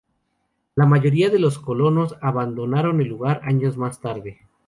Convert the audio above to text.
La mayoría de los colonos abandonaron el lugar años más tarde.